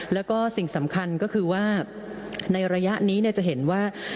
แล้วก็สิ่งสำคัญก็คือว่าในระยะนี้จะเห็นว่า